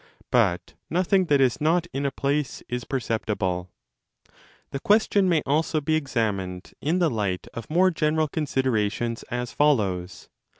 But nothing that is not in a place is perceptible.' The question may also be examined in the light of more general considerations as follows.